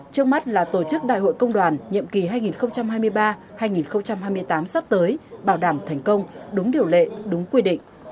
trước mắt là tổ chức đại hội công đoàn nhiệm kỳ hai nghìn hai mươi ba hai nghìn hai mươi tám sắp tới bảo đảm thành công đúng điều lệ đúng quy định